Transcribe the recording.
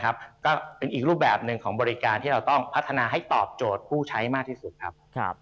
ก็เป็นอีกรูปแบบหนึ่งของบริการที่เราต้องพัฒนาให้ตอบโจทย์ผู้ใช้มากที่สุดครับ